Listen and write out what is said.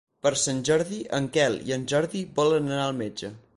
Per Sant Jordi en Quel i en Jordi volen anar al metge.